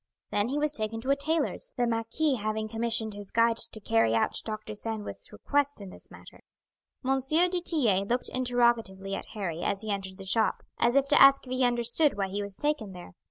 Then he was taken to a tailor's, the marquis having commissioned his guide to carry out Dr. Sandwith's request in this matter. M. du Tillet looked interrogatively at Harry as he entered the shop, as if to ask if he understood why he was taken there.